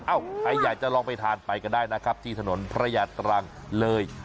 ใครอยากจะลองไปทานไปกันได้นะครับที่ถนนพระยาตรังเลย